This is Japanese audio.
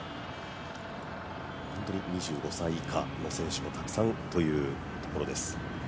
本当に２５歳以下の選手もたくさんというところです。